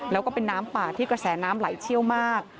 แล้วก็เป็นน้ำป่าที่กระแสน้ำไหลเชี่ยวมาก